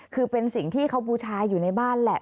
คือเป็นสิ่งที่เขาบูชาอยู่ในบ้านแหละ